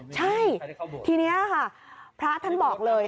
ใช่ทีนี้ค่ะพระท่านบอกเลย